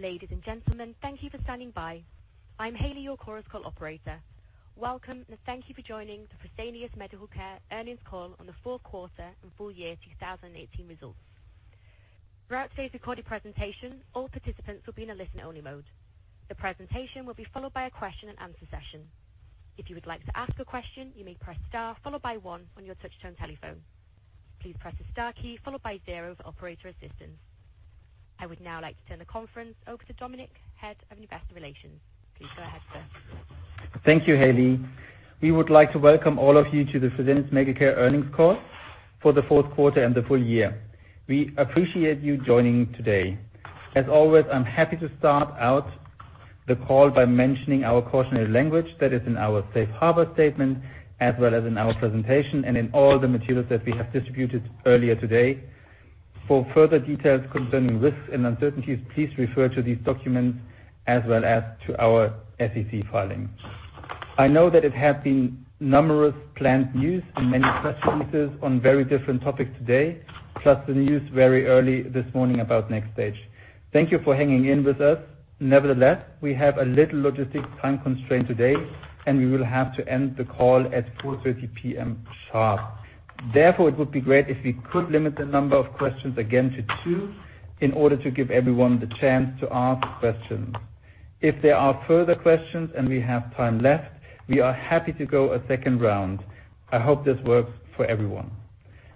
Ladies and gentlemen, thank you for standing by. I'm Haley, your Chorus Call operator. Welcome, and thank you for joining the Fresenius Medical Care earnings call on the fourth quarter and full year 2018 results. Throughout today's recorded presentation, all participants will be in a listen-only mode. The presentation will be followed by a question and answer session. If you would like to ask a question, you may press star followed by one on your touch-tone telephone. Please press the star key followed by zero for operator assistance. I would now like to turn the conference over to Dominik, Head of Investor Relations. Please go ahead, sir. Thank you, Haley. We would like to welcome all of you to the Fresenius Medical Care earnings call for the fourth quarter and the full year. We appreciate you joining today. As always, I'm happy to start out the call by mentioning our cautionary language that is in our safe harbor statement, as well as in our presentation and in all the materials that we have distributed earlier today. For further details concerning risks and uncertainties, please refer to these documents as well as to our SEC filing. I know that it has been numerous planned news and many press releases on very different topics today. Plus, the news very early this morning about NxStage. Thank you for hanging in with us. Nevertheless, we have a little logistic time constraint today, and we will have to end the call at 4:30 P.M. sharp. Therefore, it would be great if we could limit the number of questions again to two in order to give everyone the chance to ask questions. If there are further questions and we have time left, we are happy to go a second round. I hope this works for everyone.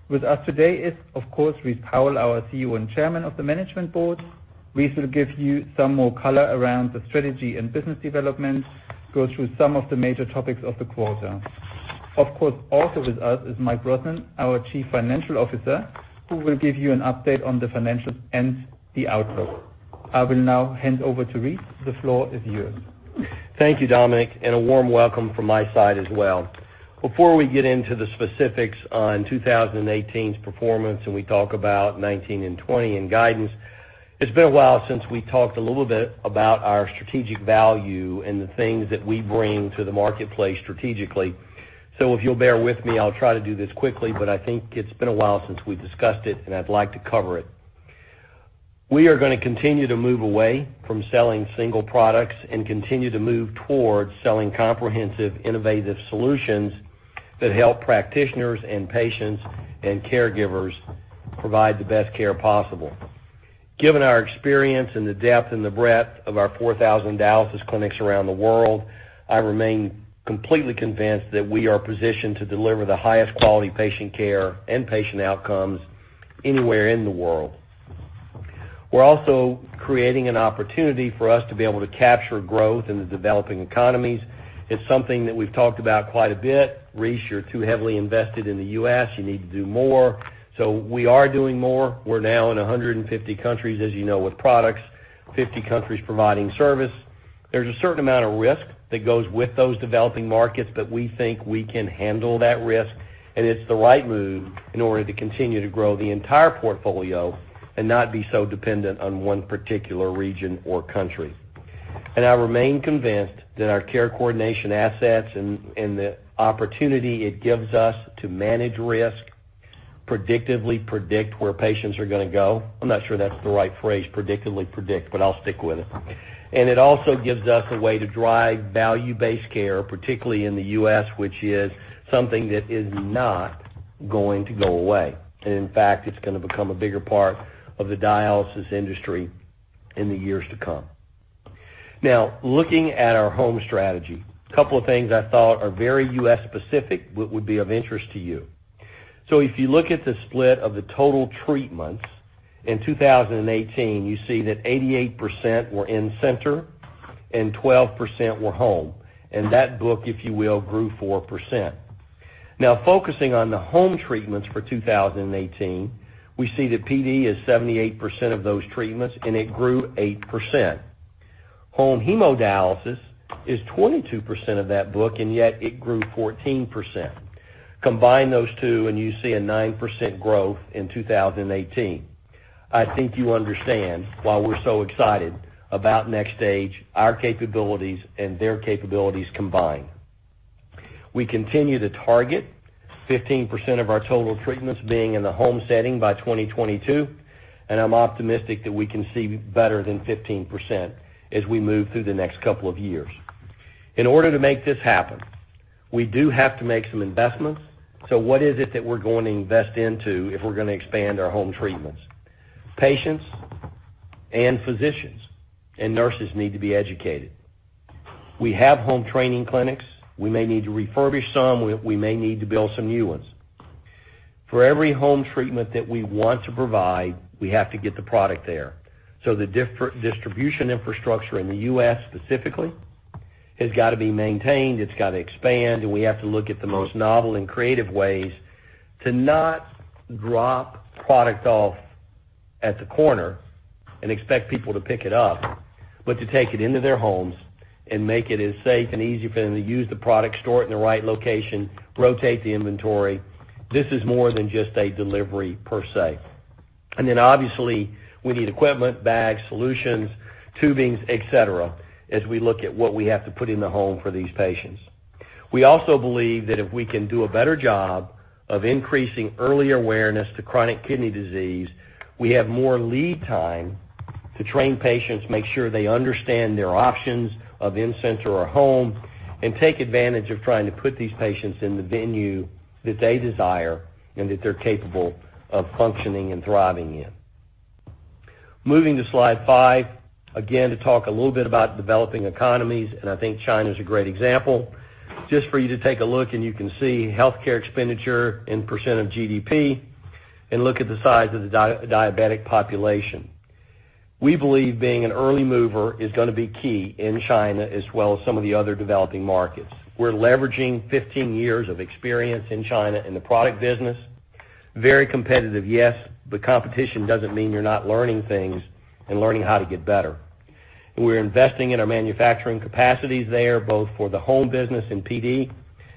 With us today is, of course, Rice Powell, our CEO and Chairman of the Management Board. Rice will give you some more color around the strategy and business development, go through some of the major topics of the quarter. Of course, also with us is Michael Brosnan, our Chief Financial Officer, who will give you an update on the financials and the outlook. I will now hand over to Rice. The floor is yours. Thank you, Dominik, and a warm welcome from my side as well. Before we get into the specifics on 2018's performance, and we talk about 2019 and 2020 and guidance, it's been a while since we talked a little bit about our strategic value and the things that we bring to the marketplace strategically. So if you'll bear with me, I'll try to do this quickly, but I think it's been a while since we've discussed it and I'd like to cover it. We are going to continue to move away from selling single products and continue to move towards selling comprehensive, innovative solutions that help practitioners and patients and caregivers provide the best care possible. Given our experience and the depth and the breadth of our 4,000 dialysis clinics around the world, I remain completely convinced that we are positioned to deliver the highest quality patient care and patient outcomes anywhere in the world. We're also creating an opportunity for us to be able to capture growth in the developing economies. It's something that we've talked about quite a bit. "Rice, you're too heavily invested in the U.S. You need to do more." We are doing more. We're now in 150 countries, as you know, with products, 50 countries providing service. There's a certain amount of risk that goes with those developing markets, but we think we can handle that risk, and it's the right move in order to continue to grow the entire portfolio and not be so dependent on one particular region or country. I remain convinced that our care coordination assets and the opportunity it gives us to manage risk, predictively predict where patients are going to go. I'm not sure that's the right phrase, predictively predict, but I'll stick with it. It also gives us a way to drive value-based care, particularly in the U.S., which is something that is not going to go away. In fact, it's going to become a bigger part of the dialysis industry in the years to come. Now, looking at our home strategy, a couple of things I thought are very U.S.-specific would be of interest to you. If you look at the split of the total treatments in 2018, you see that 88% were in-center and 12% were home. That book, if you will, grew 4%. Now focusing on the home treatments for 2018, we see that PD is 78% of those treatments, and it grew 8%. Home hemodialysis is 22% of that book, and yet it grew 14%. Combine those two, and you see a 9% growth in 2018. I think you understand why we're so excited about NxStage, our capabilities, and their capabilities combined. We continue to target 15% of our total treatments being in the home setting by 2022, and I'm optimistic that we can see better than 15% as we move through the next couple of years. In order to make this happen, we do have to make some investments. What is it that we're going to invest into if we're going to expand our home treatments? Patients and physicians and nurses need to be educated. We have home training clinics. We may need to refurbish some. We may need to build some new ones. For every home treatment that we want to provide, we have to get the product there. The distribution infrastructure in the U.S. specifically has got to be maintained. It's got to expand, and we have to look at the most novel and creative ways to not drop product off at the corner and expect people to pick it up, but to take it into their homes and make it as safe and easy for them to use the product, store it in the right location, rotate the inventory. This is more than just a delivery per se. Obviously, we need equipment, bags, solutions, tubings, et cetera, as we look at what we have to put in the home for these patients. We also believe that if we can do a better job of increasing early awareness to chronic kidney disease, we have more lead time to train patients, make sure they understand their options of in-center or home, and take advantage of trying to put these patients in the venue that they desire and that they're capable of functioning and thriving in. Moving to slide five, again, to talk a little bit about developing economies. I think China's a great example. Just for you to take a look. You can see healthcare expenditure and percent of GDP, and look at the size of the diabetic population. We believe being an early mover is going to be key in China as well as some of the other developing markets. We're leveraging 15 years of experience in China in the product business. Very competitive, yes. But competition doesn't mean you're not learning things and learning how to get better. We're investing in our manufacturing capacities there, both for the home business and PD,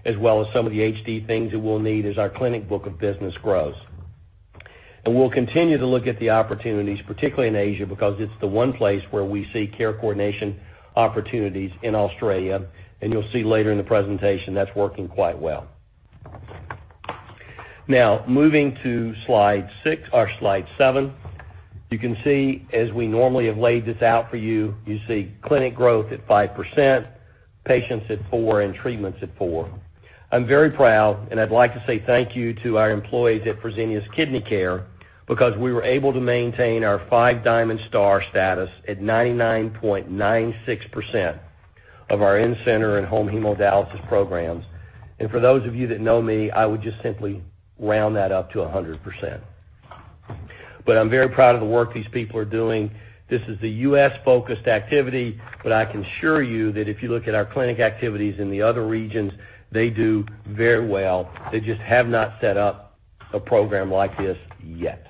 as well as some of the HD things that we'll need as our clinic book of business grows. We'll continue to look at the opportunities, particularly in Asia, because it's the one place where we see care coordination opportunities in Australia. You'll see later in the presentation, that's working quite well. Moving to slide six or slide seven, you can see as we normally have laid this out for you see clinic growth at 5%, patients at 4%, and treatments at 4%. I'm very proud. I'd like to say thank you to our employees at Fresenius Kidney Care, because we were able to maintain our five-diamond star status at 99.96% of our in-center and home hemodialysis programs. For those of you that know me, I would just simply round that up to 100%. I'm very proud of the work these people are doing. This is the U.S.-focused activity. I can assure you that if you look at our clinic activities in the other regions, they do very well. They just have not set up a program like this yet.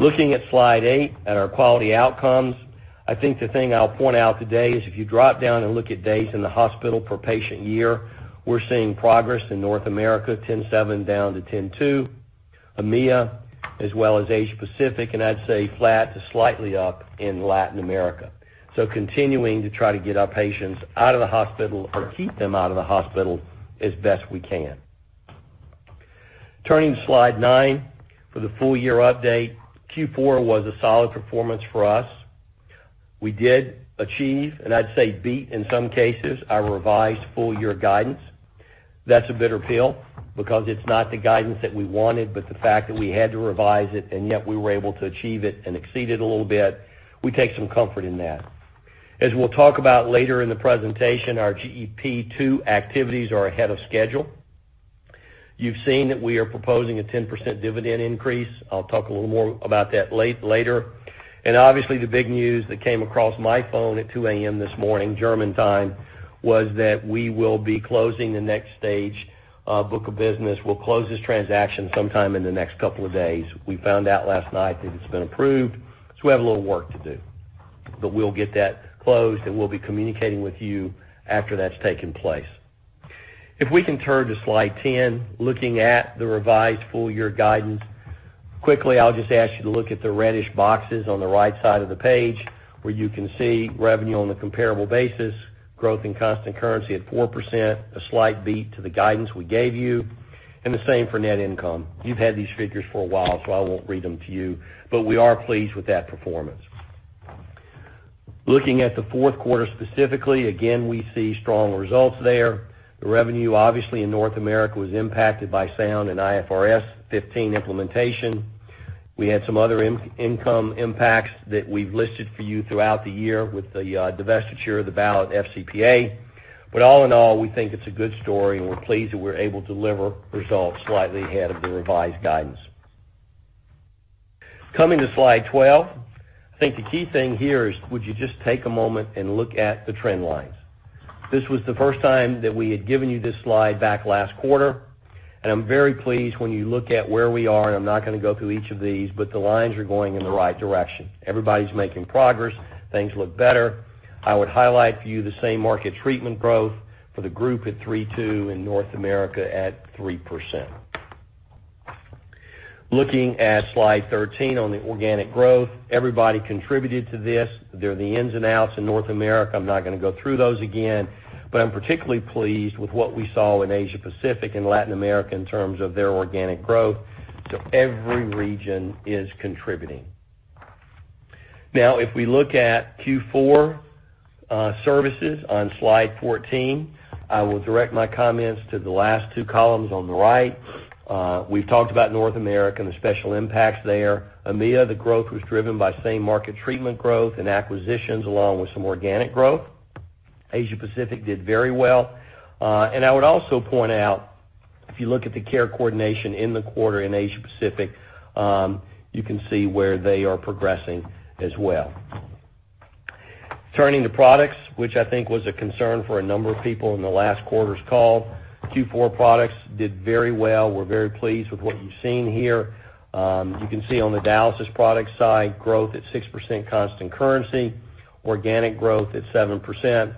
Looking at slide eight at our quality outcomes. I think the thing I'll point out today is if you drop down and look at days in the hospital per patient year, we're seeing progress in North America, 10.7 down to 10.2. EMEA, as well as Asia-Pacific. I'd say flat to slightly up in Latin America. Continuing to try to get our patients out of the hospital or keep them out of the hospital as best we can. Turning to slide nine for the full-year update. Q4 was a solid performance for us. We did achieve, and I'd say beat in some cases, our revised full-year guidance. That's a bitter pill because it's not the guidance that we wanted. The fact that we had to revise it and yet we were able to achieve it and exceed it a little bit, we take some comfort in that. As we will talk about later in the presentation, our GEP II activities are ahead of schedule. You have seen that we are proposing a 10% dividend increase. I will talk a little more about that later. Obviously, the big news that came across my phone at 2:00 A.M. this morning, German time, was that we will be closing the NxStage book of business. We will close this transaction sometime in the next couple of days. We found out last night that it has been approved, so we have a little work to do. We will get that closed, and we will be communicating with you after that has taken place. If we can turn to slide 10, looking at the revised full-year guidance. Quickly, I will just ask you to look at the reddish boxes on the right side of the page where you can see revenue on a comparable basis, growth in constant currency at 4%, a slight beat to the guidance we gave you, and the same for net income. You have had these figures for a while, so I will not read them to you, but we are pleased with that performance. Looking at the fourth quarter specifically, again, we see strong results there. The revenue, obviously in North America, was impacted by Sound and IFRS 15 implementation. We had some other income impacts that we have listed for you throughout the year with the divestiture of the ballot, FCPA. All in all, we think it is a good story, and we are pleased that we are able to deliver results slightly ahead of the revised guidance. Coming to slide 12. I think the key thing here is, would you just take a moment and look at the trend lines. This was the first time that we had given you this slide back last quarter, and I am very pleased when you look at where we are, and I am not going to go through each of these, but the lines are going in the right direction. Everybody is making progress. Things look better. I would highlight for you the same-market treatment growth for the group at 3.2% in North America at 3%. Looking at slide 13 on the organic growth. Everybody contributed to this. They are the ins and outs in North America. I am not going to go through those again, but I am particularly pleased with what we saw in Asia-Pacific and Latin America in terms of their organic growth. Every region is contributing. If we look at Q4 services on slide 14, I will direct my comments to the last two columns on the right. We have talked about North America and the special impacts there. EMEA, the growth was driven by same-market treatment growth and acquisitions, along with some organic growth. Asia-Pacific did very well. I would also point out, if you look at the care coordination in the quarter in Asia-Pacific, you can see where they are progressing as well. Turning to products, which I think was a concern for a number of people in the last quarter's call. Q4 products did very well. We are very pleased with what you have seen here. You can see on the dialysis product side, growth at 6% constant currency, organic growth at 7%.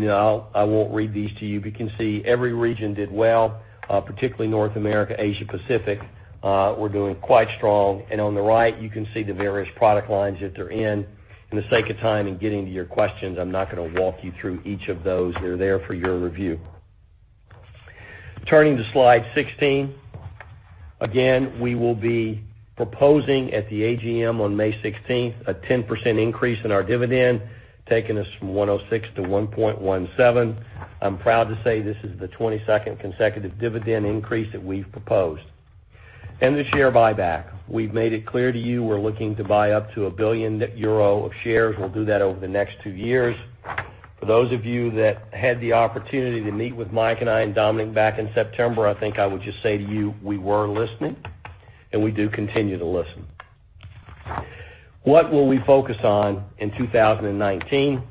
I won't read these to you, but you can see every region did well, particularly North America, Asia-Pacific were doing quite strong. On the right, you can see the various product lines that they're in. In the sake of time and getting to your questions, I'm not going to walk you through each of those. They're there for your review. Turning to slide 16. Again, we will be proposing at the AGM on May 16th a 10% increase in our dividend, taking us from 1.06 to 1.17. I'm proud to say this is the 22nd consecutive dividend increase that we've proposed. The share buyback. We've made it clear to you we're looking to buy up to 1 billion euro of shares. We'll do that over the next two years. For those of you that had the opportunity to meet with Mike and I and Dominik back in September, I think I would just say to you, we were listening, we do continue to listen. What will we focus on in 2019?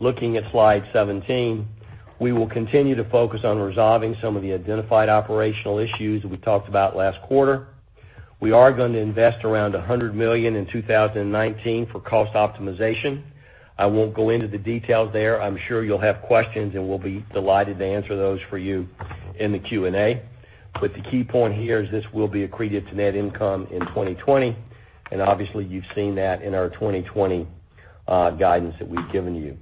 Looking at slide 17, we will continue to focus on resolving some of the identified operational issues that we talked about last quarter. We are going to invest around 100 million in 2019 for cost optimization. I won't go into the details there. I'm sure you'll have questions, we'll be delighted to answer those for you in the Q&A. The key point here is this will be accretive to net income in 2020, obviously, you've seen that in our 2020 guidance that we've given you.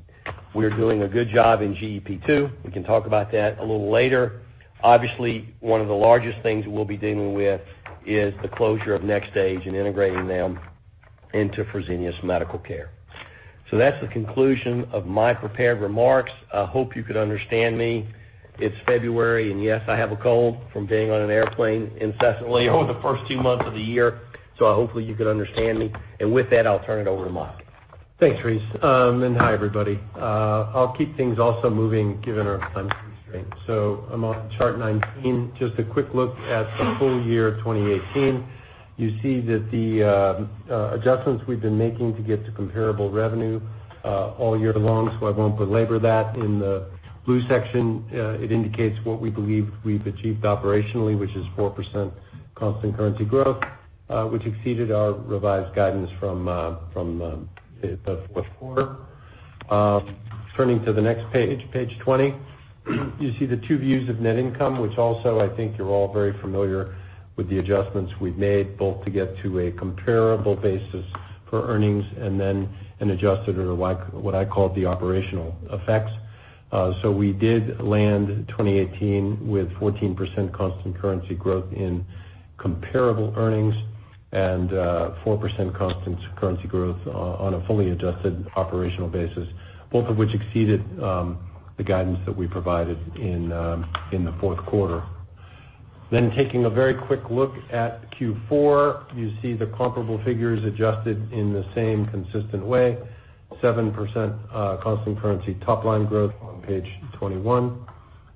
We're doing a good job in GEP II. We can talk about that a little later. Obviously, one of the largest things we'll be dealing with is the closure of NxStage and integrating them into Fresenius Medical Care. That's the conclusion of my prepared remarks. I hope you could understand me. It's February, yes, I have a cold from being on an airplane incessantly over the first two months of the year. Hopefully, you could understand me. With that, I'll turn it over to Mike. Thanks, Rice. Hi, everybody. I'll keep things also moving, given our time constraint. I'm on chart 19, just a quick look at the full year of 2018. You see that the adjustments we've been making to get to comparable revenue all year long, I won't belabor that. In the blue section, it indicates what we believe we've achieved operationally, which is 4% constant currency growth, which exceeded our revised guidance from the fourth quarter. Turning to the next page 20. You see the two views of net income, which also I think you're all very familiar with the adjustments we've made, both to get to a comparable basis for earnings and then an adjusted or what I call the operational effects. We did land 2018 with 14% constant currency growth in comparable earnings and 4% constant currency growth on a fully adjusted operational basis. Both of which exceeded the guidance that we provided in the fourth quarter. Taking a very quick look at Q4, you see the comparable figures adjusted in the same consistent way, 7% constant currency top-line growth on page 21.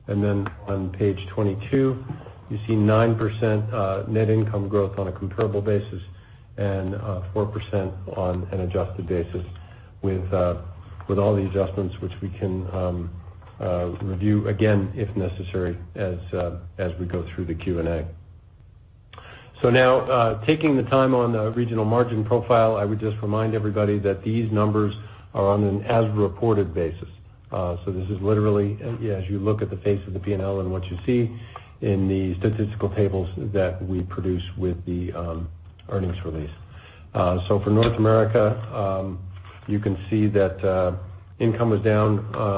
On page 22, you see 9% net income growth on a comparable basis and 4% on an adjusted basis with all the adjustments which we can review again if necessary as we go through the Q&A. Taking the time on the regional margin profile, I would just remind everybody that these numbers are on an as-reported basis. This is literally as you look at the face of the P&L and what you see in the statistical tables that we produce with the earnings release. For North America, you can see that income was down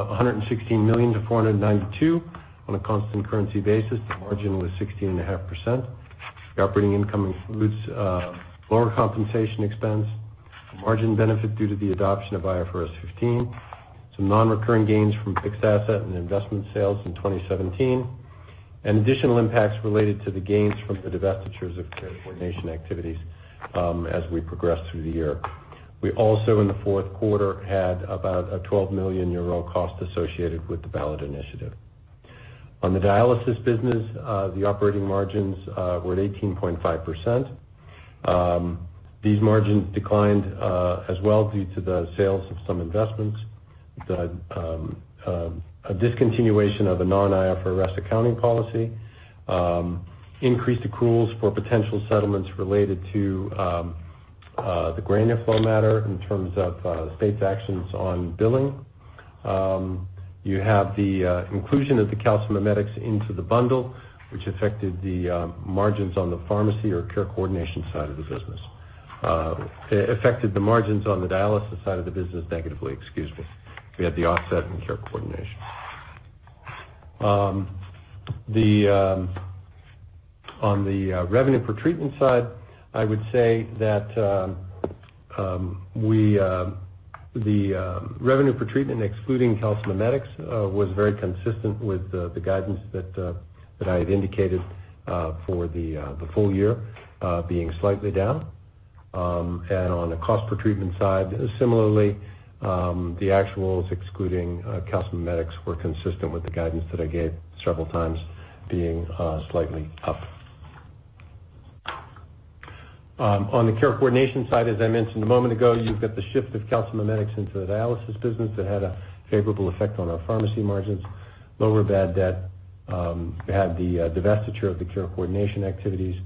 116 million to 492 million on a constant currency basis. The margin was 16.5%. The operating income includes lower compensation expense, margin benefit due to the adoption of IFRS 15, some non-recurring gains from fixed asset and investment sales in 2017, and additional impacts related to the gains from the divestitures of care coordination activities as we progress through the year. We also, in the fourth quarter, had about a 12 million euro cost associated with the ballot initiative. On the dialysis business, the operating margins were at 18.5%. These margins declined as well due to the sales of some investments, a discontinuation of a non-IFRS accounting policy, increased accruals for potential settlements related to the GranuFlo matter in terms of states' actions on billing. You have the inclusion of the calcimimetics into the bundle, which affected the margins on the pharmacy or care coordination side of the business. It affected the margins on the dialysis side of the business negatively. Excuse me. We had the offset in care coordination. On the revenue per treatment side, I would say that the revenue per treatment excluding calcimimetics was very consistent with the guidance that I had indicated for the full year being slightly down. On the cost per treatment side, similarly, the actuals excluding calcimimetics were consistent with the guidance that I gave several times being slightly up. On the care coordination side, as I mentioned a moment ago, you've got the shift of calcimimetics into the dialysis business that had a favorable effect on our pharmacy margins. Lower bad debt. We had the divestiture of the care coordination activities.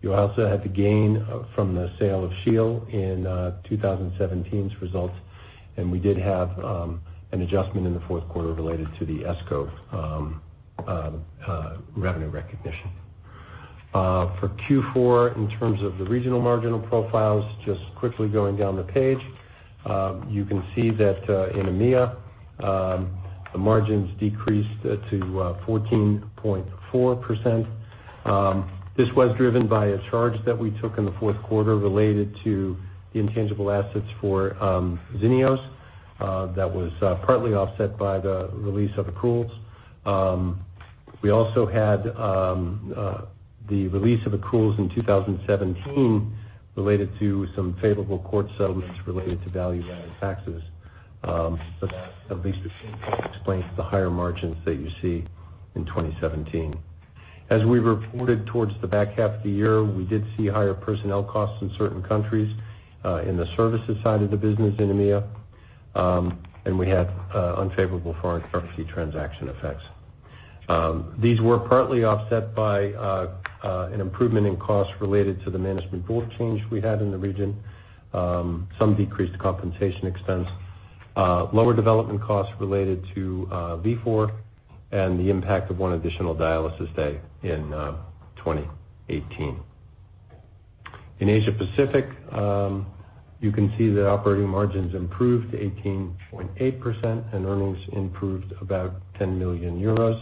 You also had the gain from the sale of Shiel in 2017's results. We did have an adjustment in the fourth quarter related to the ESCO revenue recognition. For Q4, in terms of the regional marginal profiles, just quickly going down the page, you can see that in EMEA, the margins decreased to 14.4%. This was driven by a charge that we took in the fourth quarter related to the intangible assets for Xenios, that was partly offset by the release of accruals. We also had the release of accruals in 2017 related to some favorable court settlements related to value-added taxes. That at least explains the higher margins that you see in 2017. As we reported towards the back half of the year, we did see higher personnel costs in certain countries in the services side of the business in EMEA, and we had unfavorable foreign currency transaction effects. These were partly offset by an improvement in costs related to the management board change we had in the region, some decreased compensation expense, lower development costs related to V4, and the impact of one additional dialysis day in 2018. In Asia-Pacific, you can see that operating margins improved to 18.8%, and earnings improved about 10 million euros.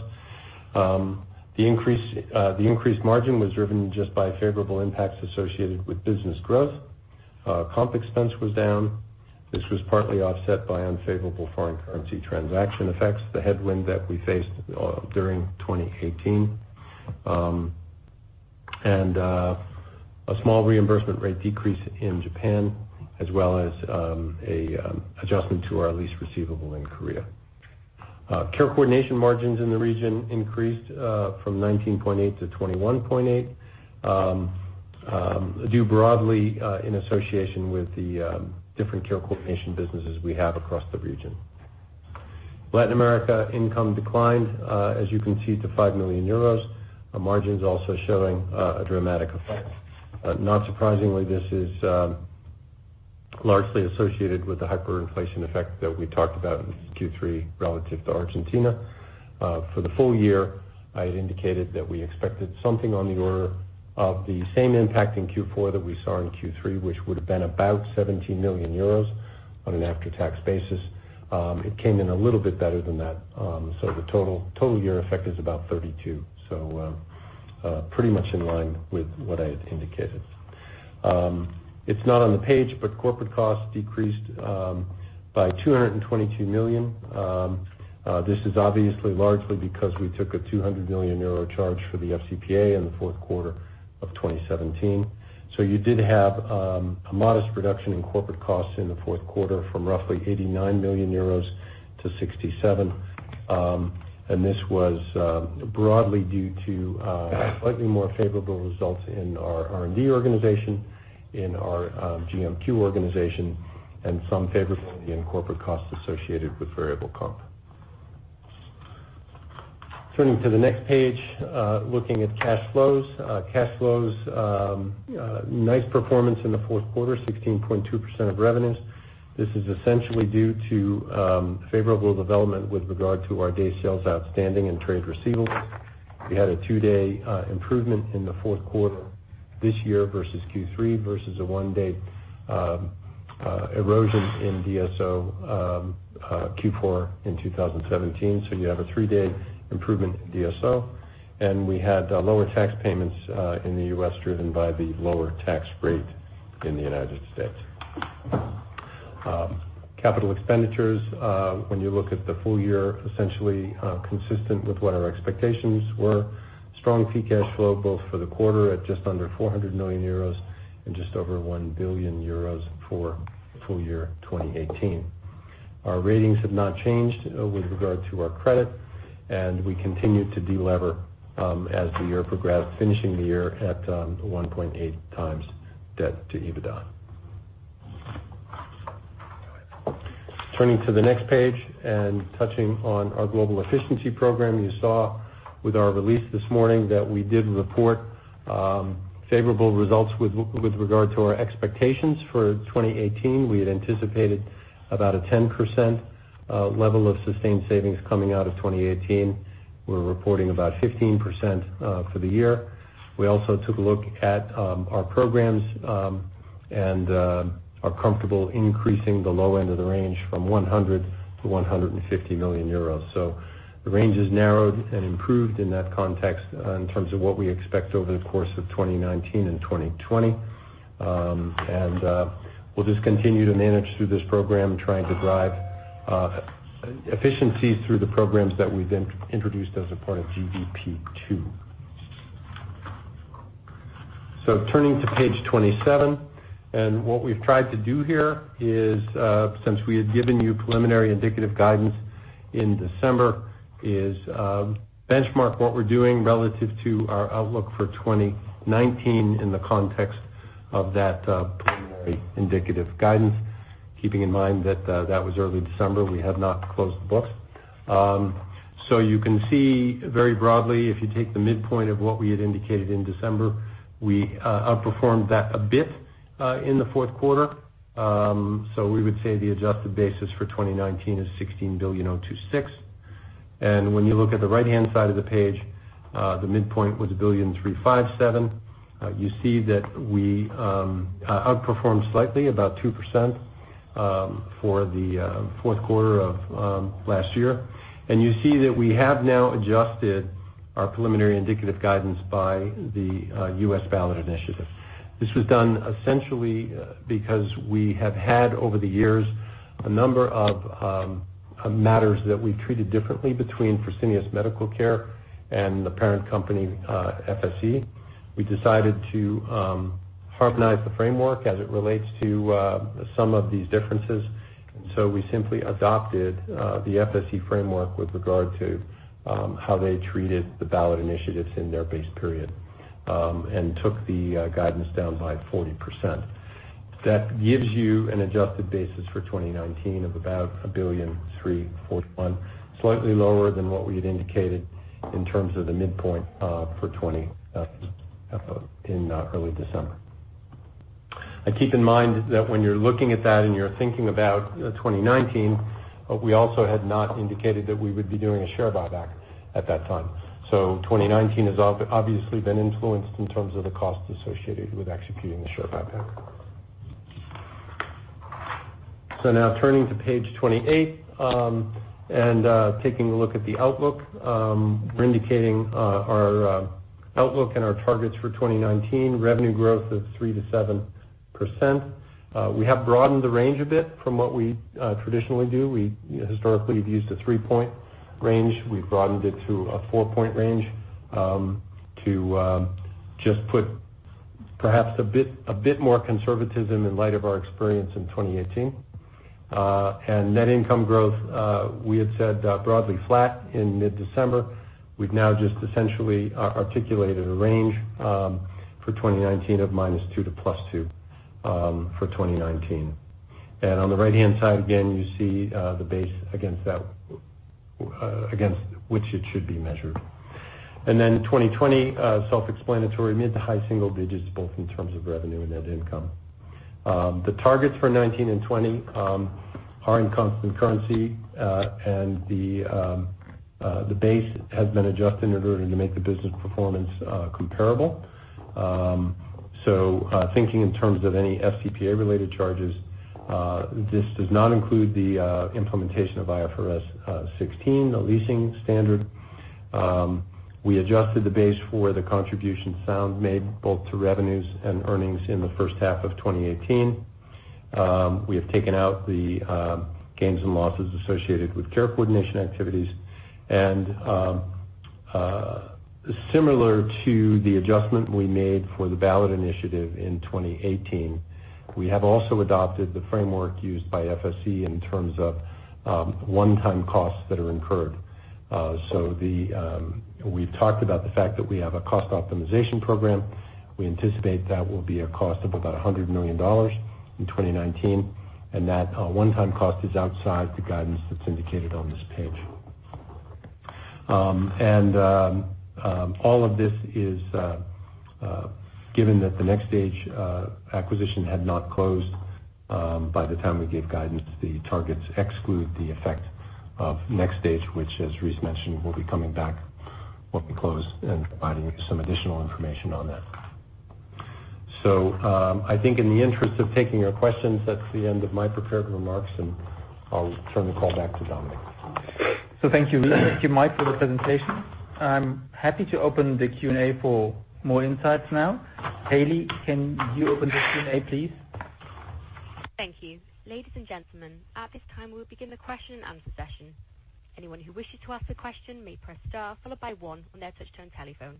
The increased margin was driven just by favorable impacts associated with business growth. Comp expense was down. This was partly offset by unfavorable foreign currency transaction effects, the headwind that we faced during 2018. A small reimbursement rate decrease in Japan, as well as an adjustment to our lease receivable in Korea. Care coordination margins in the region increased from 19.8% to 21.8%, due broadly in association with the different care coordination businesses we have across the region. Latin America income declined, as you can see, to 5 million euros, margins also showing a dramatic effect. Not surprisingly, this is largely associated with the hyperinflation effect that we talked about in Q3 relative to Argentina. For the full year, I had indicated that we expected something on the order of the same impact in Q4 that we saw in Q3, which would have been about 17 million euros on an after-tax basis. It came in a little bit better than that. The total year effect is about 32 million. Pretty much in line with what I had indicated. It is not on the page, corporate costs decreased by 222 million. This is obviously largely because we took a 200 million euro charge for the FCPA in the fourth quarter of 2017. You did have a modest reduction in corporate costs in the fourth quarter from roughly 89 million euros to 67 million. This was broadly due to slightly more favorable results in our R&D organization, in our GMQ organization, and some favorability in corporate costs associated with variable comp. Turning to the next page, looking at cash flows. Cash flows, nice performance in the fourth quarter, 16.2% of revenues. This is essentially due to favorable development with regard to our day sales outstanding and trade receivables. We had a two-day improvement in the fourth quarter this year versus Q3, versus a one-day erosion in DSO Q4 in 2017. You have a three-day improvement in DSO, and we had lower tax payments in the U.S. driven by the lower tax rate in the United States. Capital expenditures, when you look at the full year, essentially consistent with what our expectations were. Strong free cash flow both for the quarter at just under 400 million euros and just over 1 billion euros for full year 2018. Our ratings have not changed with regard to our credit, and we continue to delever as the year progressed, finishing the year at 1.8 times debt to EBITDA. Turning to the next page and touching on our Global Efficiency Program. You saw with our release this morning that we did report favorable results with regard to our expectations for 2018. We had anticipated about a 10% level of sustained savings coming out of 2018. We are reporting about 15% for the year. We also took a look at our programs and are comfortable increasing the low end of the range from 100 million to 150 million euros. The range has narrowed and improved in that context in terms of what we expect over the course of 2019 and 2020. We'll just continue to manage through this program, trying to drive efficiencies through the programs that we've introduced as a part of GEP II. Turning to page 27, what we've tried to do here is, since we had given you preliminary indicative guidance in December, is benchmark what we're doing relative to our outlook for 2019 in the context of that preliminary indicative guidance. Keeping in mind that was early December. We have not closed the books. You can see very broadly, if you take the midpoint of what we had indicated in December, we outperformed that a bit in the fourth quarter. We would say the adjusted basis for 2019 is 16.026 billion. And when you look at the right-hand side of the page, the midpoint was 1.357 billion. You see that we outperformed slightly, about 2%, for the fourth quarter of last year. You see that we have now adjusted our preliminary indicative guidance by the U.S. ballot initiative. This was done essentially because we have had, over the years, a number of matters that we treated differently between Fresenius Medical Care and the parent company, FSE. We decided to harmonize the framework as it relates to some of these differences. We simply adopted the FSE framework with regard to how they treated the ballot initiatives in their base period and took the guidance down by 40%. That gives you an adjusted basis for 2019 of about 1.341 billion, slightly lower than what we had indicated in terms of the midpoint for 20 in early December. Keep in mind that when you're looking at that and you're thinking about 2019, we also had not indicated that we would be doing a share buyback at that time. 2019 has obviously been influenced in terms of the cost associated with executing the share buyback. Turning to page 28 and taking a look at the outlook. We're indicating our outlook and our targets for 2019, revenue growth of 3%-7%. We have broadened the range a bit from what we traditionally do. Historically, we've used a three-point range. We've broadened it to a four-point range to just put perhaps a bit more conservatism in light of our experience in 2018. Net income growth, we had said broadly flat in mid-December. We've now just essentially articulated a range for 2019 of -2% to +2% for 2019. On the right-hand side, again, you see the base against which it should be measured. 2020, self-explanatory, mid to high single digits both in terms of revenue and net income. The targets for 2019 and 2020 are in constant currency, and the base has been adjusted in order to make the business performance comparable. Thinking in terms of any FCPA-related charges, this does not include the implementation of IFRS 16, the leasing standard. We adjusted the base for the contribution Sound made both to revenues and earnings in the first half of 2018. We have taken out the gains and losses associated with care coordination activities. Similar to the adjustment we made for the ballot initiative in 2018, we have also adopted the framework used by FSE in terms of one-time costs that are incurred. We've talked about the fact that we have a cost optimization program. We anticipate that will be a cost of about $100 million in 2019, and that one-time cost is outside the guidance that's indicated on this page. All of this is given that the NxStage acquisition had not closed by the time we gave guidance. The targets exclude the effect of NxStage, which, as Rice mentioned, will be coming back when we close and providing some additional information on that. I think in the interest of taking your questions, that's the end of my prepared remarks, and I'll turn the call back to Dominik. Thank you, Rice. Thank you, Mike, for the presentation. I'm happy to open the Q&A for more insights now. Haley, can you open the Q&A, please? Thank you. Ladies and gentlemen, at this time, we'll begin the question and answer session. Anyone who wishes to ask a question may press star followed by one on their touch-tone telephone.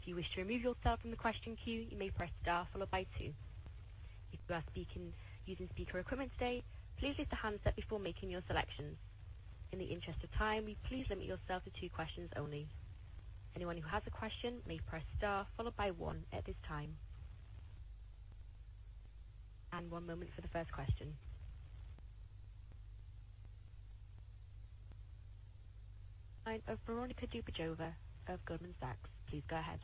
If you wish to remove yourself from the question queue, you may press star followed by two. If you are using speaker equipment today, please lift the handset before making your selections. In the interest of time, please limit yourself to two questions only. Anyone who has a question may press star followed by one at this time. One moment for the first question. Line of Veronika Dubajova of Goldman Sachs, please go ahead.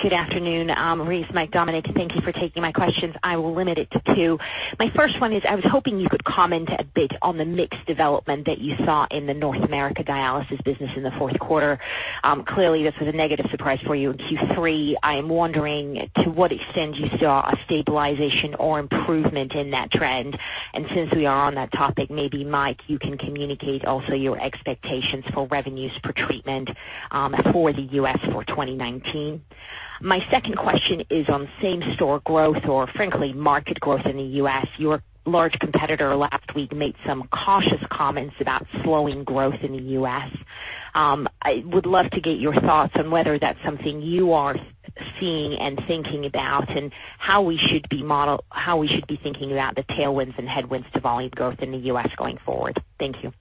Good afternoon, Rice, Mike, Dominik. Thank you for taking my questions. I will limit it to two. My first one is, I was hoping you could comment a bit on the mixed development that you saw in the North America dialysis business in the fourth quarter. Clearly, this was a negative surprise for you in Q3. I am wondering to what extent you saw a stabilization or improvement in that trend. Since we are on that topic, maybe, Mike, you can communicate also your expectations for revenues per treatment for the U.S. for 2019. My second question is on same-store growth or frankly, market growth in the U.S. Your large competitor last week made some cautious comments about slowing growth in the U.S. I would love to get your thoughts on whether that's something you are seeing and thinking about, and how we should be thinking about the tailwinds and headwinds to volume growth in the U.S. going forward. Thank you.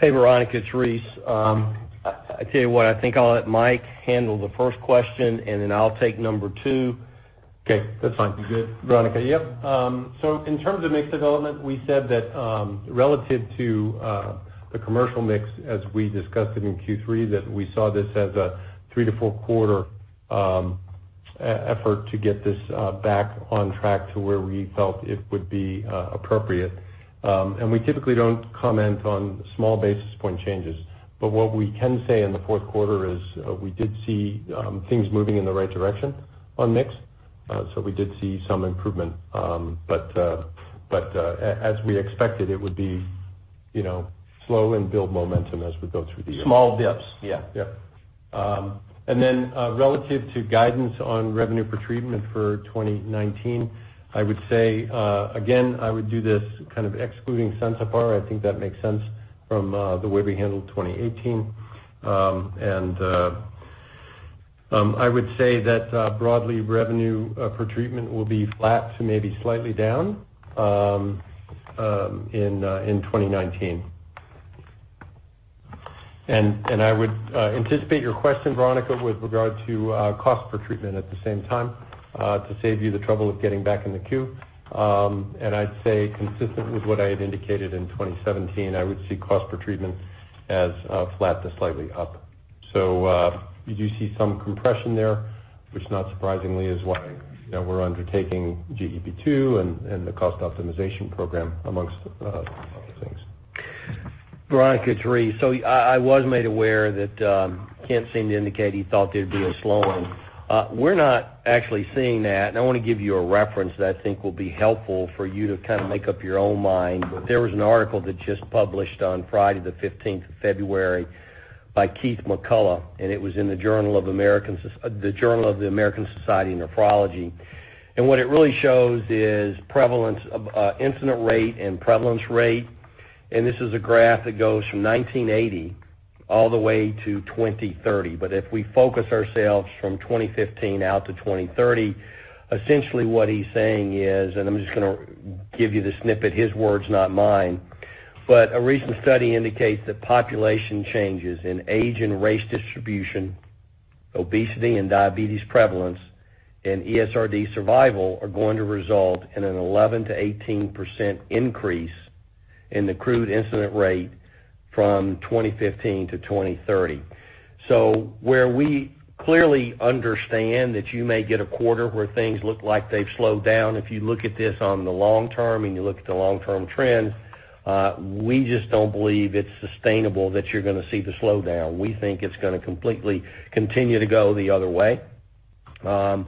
Hey, Veronika, it's Rice. I tell you what, I think I'll let Michael handle the first question, and then I'll take number 2. Okay, that's fine. You good? Veronika, yep. In terms of mix development, we said that relative to the commercial mix as we discussed it in Q3, that we saw this as a three to four quarter effort to get this back on track to where we felt it would be appropriate. We typically don't comment on small basis point changes. What we can say in the fourth quarter is we did see things moving in the right direction on mix. We did see some improvement. As we expected, it would be slow and build momentum as we go through the year. Small dips. Yeah. Yeah. Then relative to guidance on revenue per treatment for 2019, I would say, again, I would do this excluding calcimimetics. I think that makes sense from the way we handled 2018. I would say that broadly, revenue per treatment will be flat to maybe slightly down in 2019. I would anticipate your question, Veronika, with regard to cost per treatment at the same time, to save you the trouble of getting back in the queue. I'd say consistent with what I had indicated in 2017, I would see cost per treatment as flat to slightly up. You do see some compression there, which not surprisingly is why we're undertaking GEP II and the cost optimization program, amongst other things. Veronika, it's Rice. I was made aware that Kent seemed to indicate he thought there'd be a slowing. We're not actually seeing that, and I want to give you a reference that I think will be helpful for you to make up your own mind. There was an article that just published on Friday the 15th of February by Keith McCullough, and it was in the Journal of the American Society of Nephrology. What it really shows is incident rate and prevalence rate, and this is a graph that goes from 1980 all the way to 2030. If we focus ourselves from 2015 out to 2030, essentially what he's saying is, and I'm just going to give you the snippet, his words, not mine. A recent study indicates that population changes in age and race distribution, obesity and diabetes prevalence, and ESRD survival are going to result in an 11%-18% increase in the crude incident rate from 2015 to 2030. Where we clearly understand that you may get a quarter where things look like they've slowed down, if you look at this on the long-term and you look at the long-term trends, we just don't believe it's sustainable that you're going to see the slowdown. We think it's going to completely continue to go the other way. We're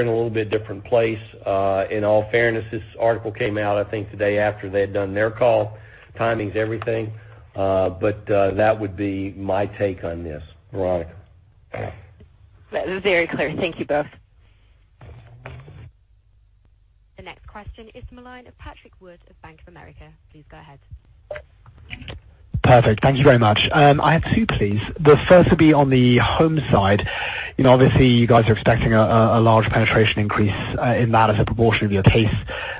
in a little bit different place. In all fairness, this article came out, I think, the day after they had done their call. Timing's everything. That would be my take on this, Veronika. That was very clear. Thank you both. The next question is from the line of Patrick Wood of Bank of America. Please go ahead. Perfect. Thank you very much. I have two, please. The first will be on the home side. Obviously you guys are expecting a large penetration increase in that as a proportion of your pace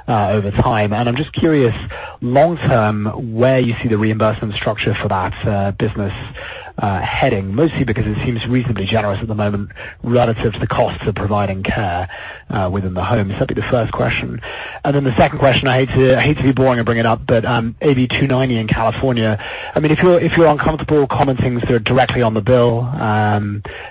over time. I'm just curious, long-term, where you see the reimbursement structure for that business heading, mostly because it seems reasonably generous at the moment relative to the costs of providing care within the home. That would be the first question. The second question, I hate to be boring and bring it up, but AB 290 in California. If you're uncomfortable commenting sort of directly on the bill,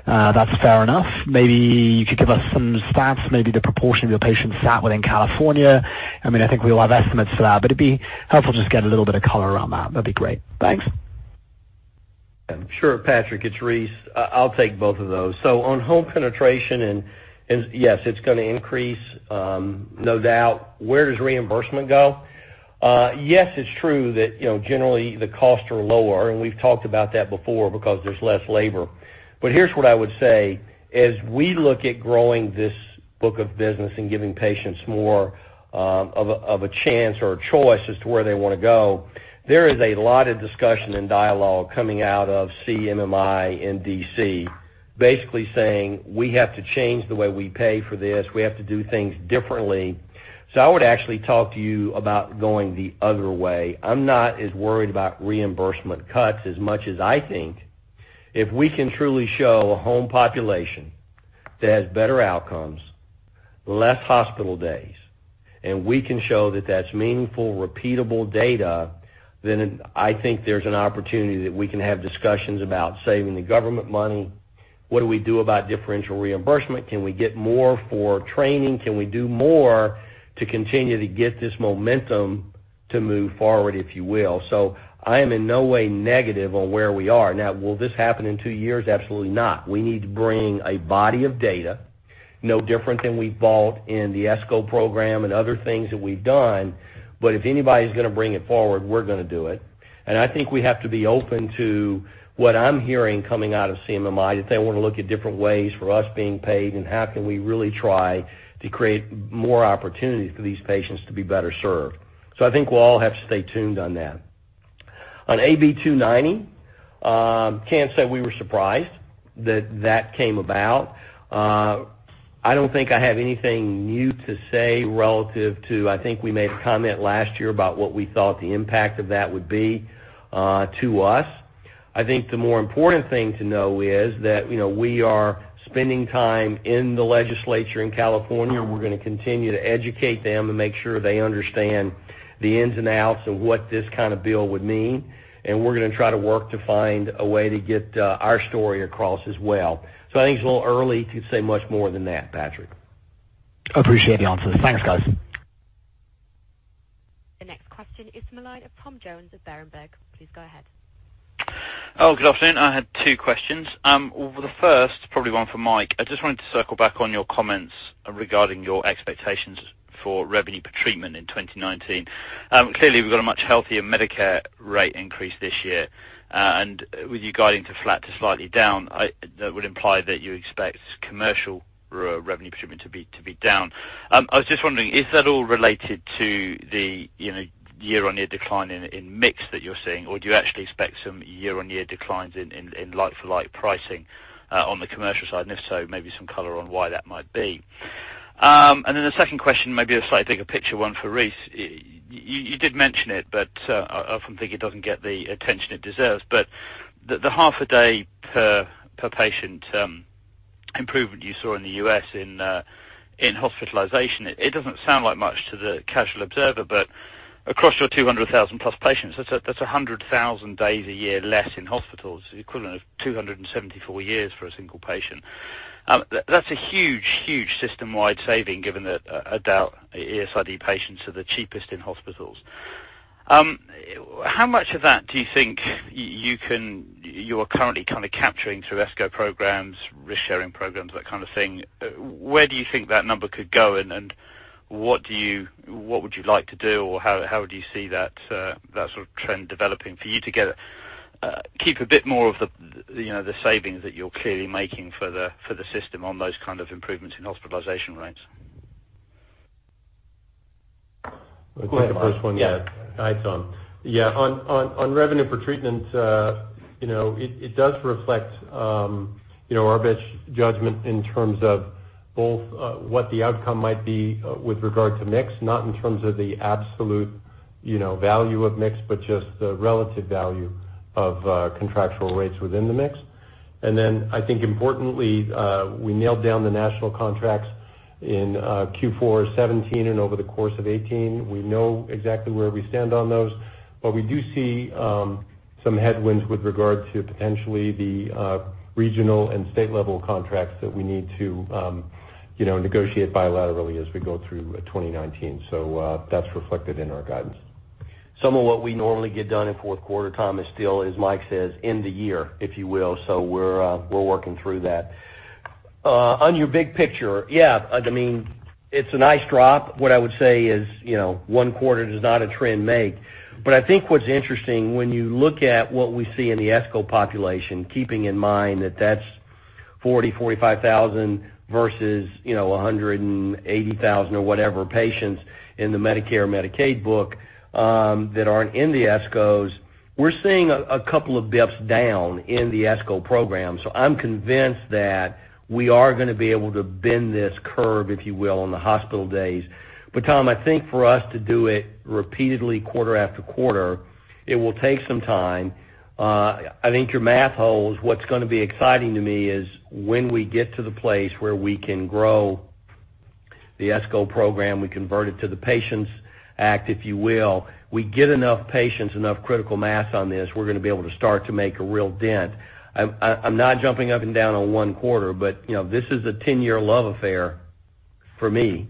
that's fair enough. Maybe you could give us some stats, maybe the proportion of your patients sat within California. It would be helpful just to get a little bit of color around that. That would be great. Thanks. Sure, Patrick, it's Rice. I'll take both of those. On home penetration, yes, it's going to increase, no doubt. Where does reimbursement go? Yes, it's true that generally the costs are lower, and we've talked about that before because there's less labor. Here's what I would say. As we look at growing this book of business and giving patients more of a chance or a choice as to where they want to go, there is a lot of discussion and dialogue coming out of CMMI in D.C., basically saying, "We have to change the way we pay for this. We have to do things differently." I would actually talk to you about going the other way. I'm not as worried about reimbursement cuts as much as I think if we can truly show a home population that has better outcomes, less hospital days, and we can show that that's meaningful, repeatable data, then I think there's an opportunity that we can have discussions about saving the government money. What do we do about differential reimbursement? Can we get more for training? Can we do more to continue to get this momentum to move forward, if you will? I am in no way negative on where we are. Now, will this happen in two years? Absolutely not. We need to bring a body of data, no different than we've built in the ESCO program and other things that we've done. If anybody's going to bring it forward, we're going to do it. I think we have to be open to what I'm hearing coming out of CMMI, that they want to look at different ways for us being paid and how can we really try to create more opportunities for these patients to be better served. I think we'll all have to stay tuned on that. On AB 290, can't say we were surprised that that came about. I don't think I have anything new to say. I think we made a comment last year about what we thought the impact of that would be to us. I think the more important thing to know is that we are spending time in the legislature in California. We're going to continue to educate them and make sure they understand the ins and outs of what this kind of bill would mean, and we're going to try to work to find a way to get our story across as well. I think it's a little early to say much more than that, Patrick. Appreciate the answers. Thanks, guys. The next question is from the line of Tom Jones of Berenberg. Please go ahead. Oh, good afternoon. I had two questions. The first, probably one for Mike. I just wanted to circle back on your comments regarding your expectations for revenue per treatment in 2019. Clearly, we've got a much healthier Medicare rate increase this year. With you guiding to flat to slightly down, that would imply that you expect commercial revenue per treatment to be down. I was just wondering, is that all related to the year-on-year decline in mix that you're seeing, or do you actually expect some year-on-year declines in like-for-like pricing on the commercial side? If so, maybe some color on why that might be. The second question, maybe a slightly bigger picture one for Rice. You did mention it, but I often think it doesn't get the attention it deserves. The half a day per patient improvement you saw in the U.S. in hospitalization, it doesn't sound like much to the casual observer, but across your 200,000+ patients, that's 100,000 days a year less in hospitals, the equivalent of 274 years for a single patient. That's a huge system-wide saving given that adult ESRD patients are the cheapest in hospitals. How much of that do you think you're currently capturing through ESCO programs, risk-sharing programs, that kind of thing? Where do you think that number could go, and what would you like to do, or how do you see that sort of trend developing for you to keep a bit more of the savings that you're clearly making for the system on those kind of improvements in hospitalization rates? Go ahead, Mike. I'll take the first one, yeah. Yeah. On revenue per treatment, it does reflect our best judgment in terms of both what the outcome might be with regard to mix, not in terms of the absolute value of mix, but just the relative value of contractual rates within the mix. Then I think importantly, we nailed down the national contracts in Q4 2017 and over the course of 2018. We know exactly where we stand on those. We do see some headwinds with regard to potentially the regional and state-level contracts that we need to negotiate bilaterally as we go through 2019. That's reflected in our guidance. Some of what we normally get done in fourth quarter, Tom, is still, as Mike says, end of year, if you will. We're working through that. On your big picture, yeah, it's a nice drop. What I would say is, one quarter does not a trend make. I think what's interesting when you look at what we see in the ESCO population, keeping in mind that that's 40,000, 45,000 versus 180,000 or whatever patients in the Medicare, Medicaid book that aren't in the ESCOs. We're seeing a couple of dips down in the ESCO program. I'm convinced that we are going to be able to bend this curve, if you will, on the hospital days. Tom, I think for us to do it repeatedly quarter after quarter, it will take some time. I think your math holds. What's going to be exciting to me is when we get to the place where we can grow the ESCO program, we convert it to the Patients Act, if you will. We get enough patients, enough critical mass on this, we're going to be able to start to make a real dent. I'm not jumping up and down on one quarter, but this is a 10-year love affair for me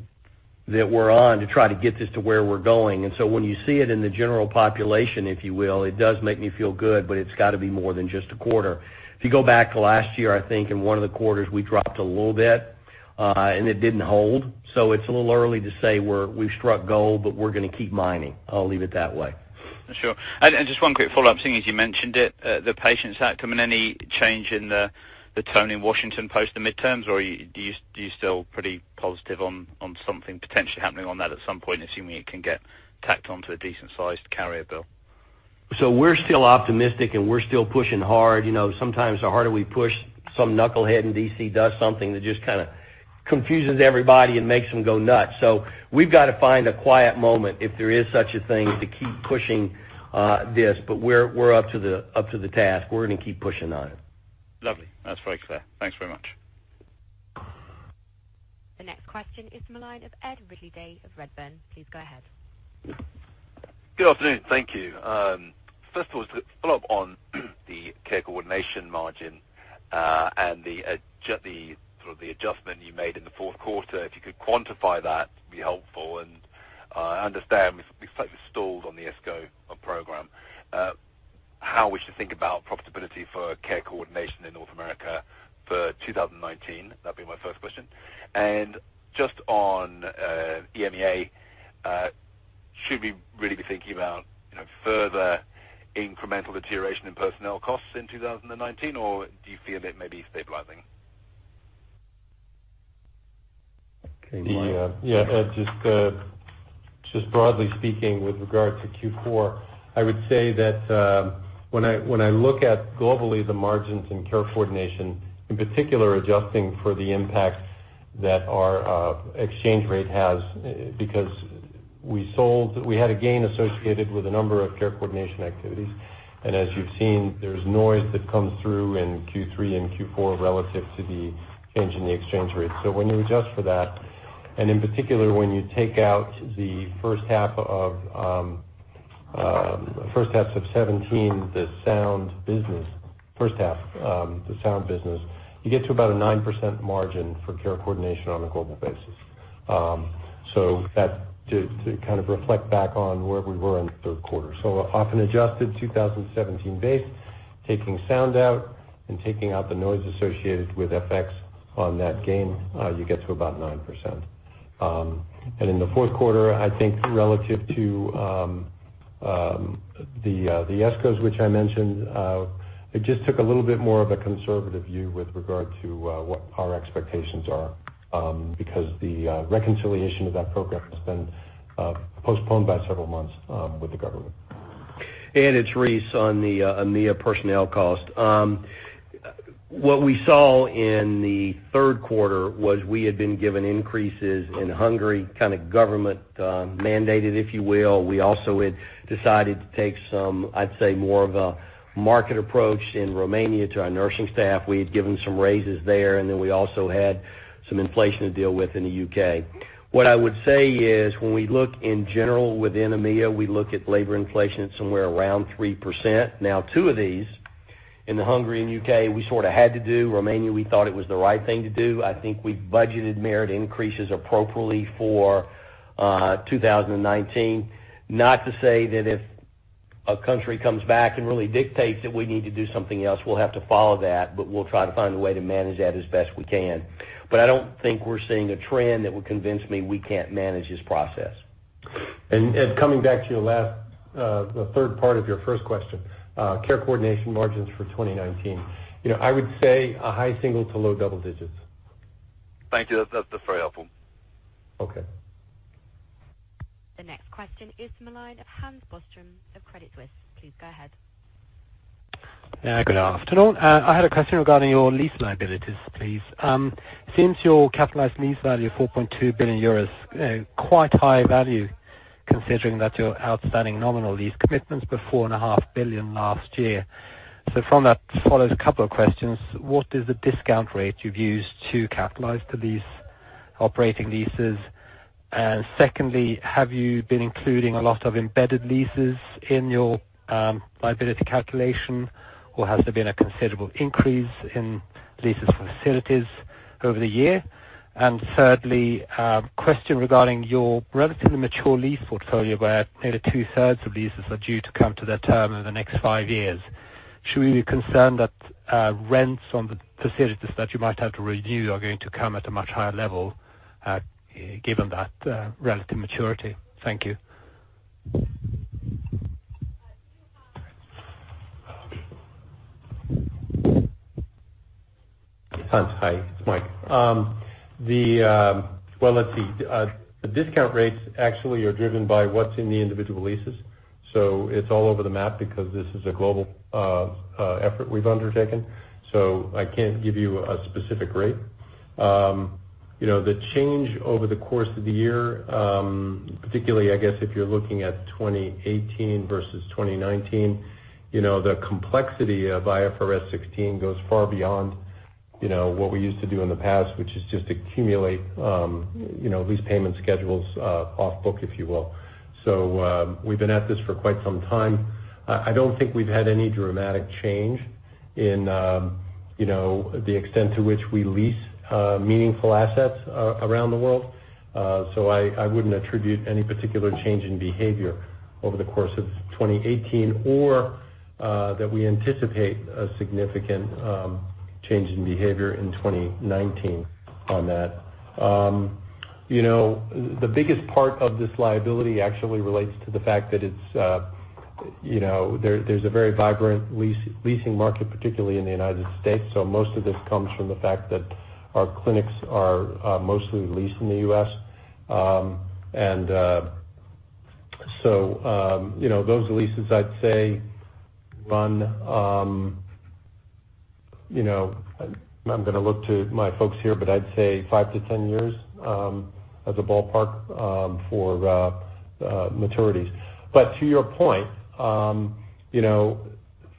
that we're on to try to get this to where we're going. When you see it in the general population, if you will, it does make me feel good, but it's got to be more than just a quarter. If you go back to last year, I think in one of the quarters, we dropped a little bit, and it didn't hold. It's a little early to say we've struck gold, but we're going to keep mining. I'll leave it that way. Sure. Just one quick follow-up thing, as you mentioned it, the Patients Act. Any change in the tone in Washington post the midterms, or are you still pretty positive on something potentially happening on that at some point, assuming it can get tacked onto a decent-sized carrier bill? We're still optimistic, and we're still pushing hard. Sometimes the harder we push, some knucklehead in D.C. does something that just kind of confuses everybody and makes them go nuts. We've got to find a quiet moment, if there is such a thing, to keep pushing this. We're up to the task. We're going to keep pushing on it. Lovely. That's very clear. Thanks very much. The next question is from the line of Ed Ridley-Day of Redburn. Please go ahead. Good afternoon. Thank you. First of all, just to follow up on the care coordination margin, and the adjustment you made in the fourth quarter, if you could quantify that, it'd be helpful, and understand we've slightly stalled on the ESCO program. How we should think about profitability for care coordination in North America for 2019? That'd be my first question. Just on EMEA, should we really be thinking about further incremental deterioration in personnel costs in 2019, or do you feel it may be stabilizing? Okay, Mike. Yeah, Ed, just broadly speaking, with regard to Q4, I would say that when I look at globally the margins in care coordination, in particular adjusting for the impact that our exchange rate has, because we had a gain associated with a number of care coordination activities. As you've seen, there's noise that comes through in Q3 and Q4 relative to the change in the exchange rate. When you adjust for that, and in particular, when you take out the first half of- First half of 2017, the Sound business. First half, the Sound business, you get to about a 9% margin for care coordination on a global basis. That to kind of reflect back on where we were in the third quarter. Off an adjusted 2017 base, taking Sound out and taking out the noise associated with FX on that gain, you get to about 9%. In the fourth quarter, I think relative to the ESCOs, which I mentioned, I just took a little bit more of a conservative view with regard to what our expectations are, because the reconciliation of that program has been postponed by several months with the government. It's Rice on the EMEA personnel cost. What we saw in the third quarter was we had been given increases in Hungary, kind of government mandated, if you will. We also had decided to take some, I'd say, more of a market approach in Romania to our nursing staff. We had given some raises there, then we also had some inflation to deal with in the U.K. What I would say is, when we look in general within EMEA, we look at labor inflation at somewhere around 3%. Two of these, in the Hungary and U.K., we sort of had to do. Romania, we thought it was the right thing to do. I think we've budgeted merit increases appropriately for 2019. Not to say that if a country comes back and really dictates that we need to do something else, we'll have to follow that, but we'll try to find a way to manage that as best we can. I don't think we're seeing a trend that would convince me we can't manage this process. Coming back to the third part of your first question, care coordination margins for 2019. I would say a high single to low double digits. Thank you. That's very helpful. Okay. The next question is from the line of Hans Bostrom of Credit Suisse. Please go ahead. Good afternoon. I had a question regarding your lease liabilities, please. Since your capitalized lease value of 4.2 billion euros, quite high value, considering that your outstanding nominal lease commitments were 4.5 billion last year. From that follows a couple of questions. What is the discount rate you've used to capitalize to these operating leases? Secondly, have you been including a lot of embedded leases in your liability calculation, or has there been a considerable increase in leases for facilities over the year? Thirdly, a question regarding your relatively mature lease portfolio, where nearly two-thirds of leases are due to come to their term in the next five years. Should we be concerned that rents on the facilities that you might have to renew are going to come at a much higher level given that relative maturity? Thank you. Hans, hi. It's Mike. Well, let's see. The discount rates actually are driven by what's in the individual leases. It's all over the map because this is a global effort we've undertaken. I can't give you a specific rate. The change over the course of the year, particularly, I guess, if you're looking at 2018 versus 2019, the complexity of IFRS 16 goes far beyond what we used to do in the past, which is just accumulate lease payment schedules off book, if you will. We've been at this for quite some time. I don't think we've had any dramatic change in the extent to which we lease meaningful assets around the world. I wouldn't attribute any particular change in behavior over the course of 2018 or that we anticipate a significant change in behavior in 2019 on that. The biggest part of this liability actually relates to the fact that there's a very vibrant leasing market, particularly in the U.S., so most of this comes from the fact that our clinics are mostly leased in the U.S. Those leases, I'd say, I'm going to look to my folks here, but I'd say 5 to 10 years as a ballpark for maturities. To your point,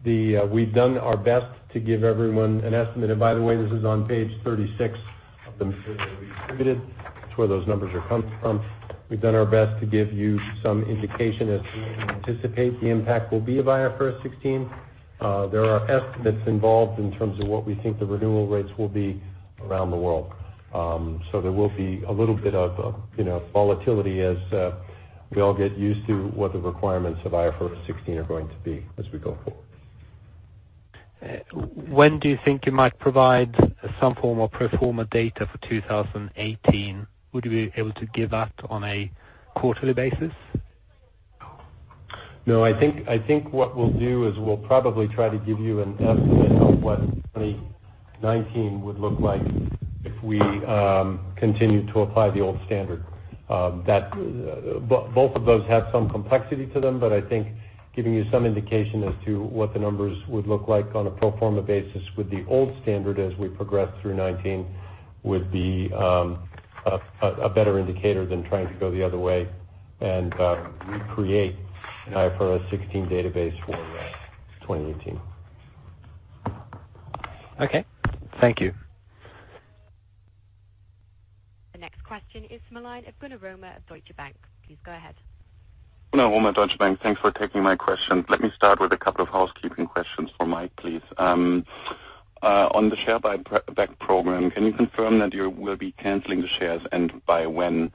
we've done our best to give everyone an estimate. By the way, this is on page 36 of the material we distributed. That's where those numbers are coming from. We've done our best to give you some indication as to what we anticipate the impact will be of IFRS 16. There are estimates involved in terms of what we think the renewal rates will be around the world. There will be a little bit of volatility as we all get used to what the requirements of IFRS 16 are going to be as we go forward. When do you think you might provide some form of pro forma data for 2018? Would you be able to give that on a quarterly basis? No. I think what we'll do is we'll probably try to give you an estimate of what 2019 would look like if we continue to apply the old standard. Both of those have some complexity to them, but I think giving you some indication as to what the numbers would look like on a pro forma basis with the old standard as we progress through 2019 would be a better indicator than trying to go the other way and recreate an IFRS 16 database for 2018. Okay. Thank you. Question is from the line of Gunnar Römer of Deutsche Bank. Please go ahead. Gunnar Römer, Deutsche Bank. Thanks for taking my question. Let me start with a couple of housekeeping questions for Mike, please. On the share buyback program, can you confirm that you will be canceling the shares and by when?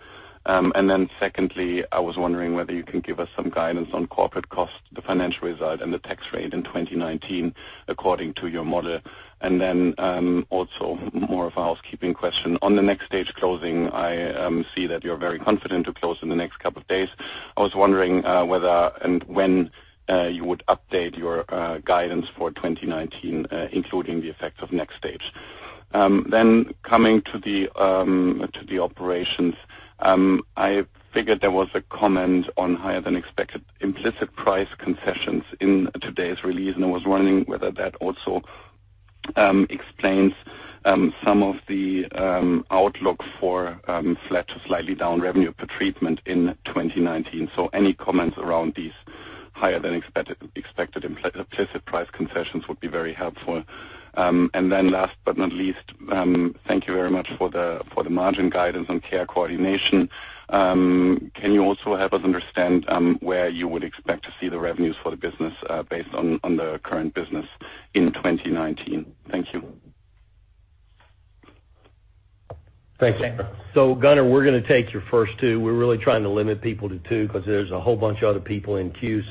Secondly, I was wondering whether you can give us some guidance on corporate costs, the financial result, and the tax rate in 2019 according to your model. Also more of a housekeeping question. On the NxStage closing, I see that you're very confident to close in the next couple of days. I was wondering whether and when you would update your guidance for 2019, including the effect of NxStage. Coming to the operations. I figured there was a comment on higher-than-expected implicit price concessions in today's release, and I was wondering whether that also explains some of the outlook for flat to slightly down revenue per treatment in 2019. Any comments around these higher-than-expected implicit price concessions would be very helpful. Last but not least, thank you very much for the margin guidance on care coordination. Can you also help us understand where you would expect to see the revenues for the business based on the current business in 2019? Thank you. Thank you. Gunnar, we're going to take your first two. We're really trying to limit people to two because there's a whole bunch of other people in queue.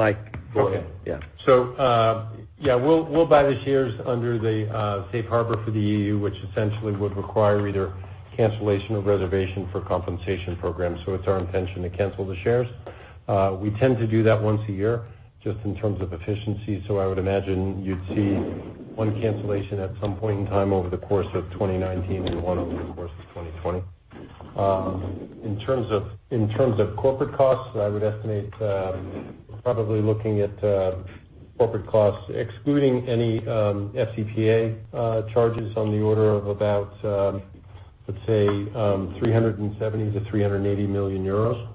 Mike, go ahead. Yeah, we'll buy the shares under the safe harbor for the EU, which essentially would require either cancellation or reservation for compensation programs. It's our intention to cancel the shares. We tend to do that once a year, just in terms of efficiency. I would imagine you'd see one cancellation at some point in time over the course of 2019 and one over the course of 2020. In terms of corporate costs, I would estimate probably looking at corporate costs, excluding any FCPA charges on the order of about, let's say, 370 million-380 million euros.